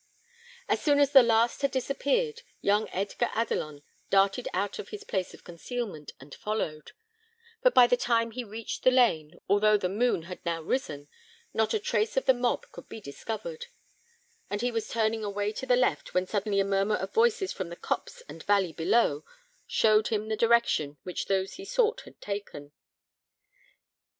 As soon as the last had disappeared, young Edgar Adelon darted out of his place of concealment, and followed; but by the time he reached the lane, although the moon had now risen, not a trace of the mob could be discovered; and he was turning away to the left, when suddenly a murmur of voices from the copse and valley below showed him the direction which those he sought had taken.